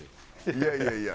いやいやいや。